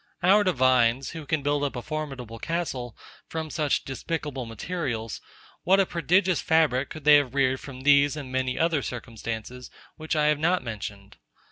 Our divines, who can build up a formidable castle from such despicable materials; what a prodigious fabric could they have reared from these and many other circumstances, which I have not mentioned!